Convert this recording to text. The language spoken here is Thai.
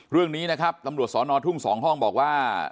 เรื่องนี้นะครับตำรวจสอนอทุ่ง๒ห้องบอกว่า